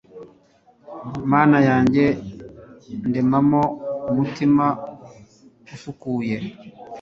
mana yanjye, ndemamo umutima usukuye